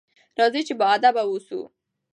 راځئ چې باادبه واوسو.